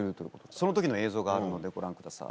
その時の映像があるのでご覧ください。